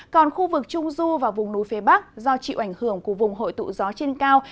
còn khu vực trung du và vùng núi phía bắc do chịu ảnh hưởng của vùng hội tụ gió trên cao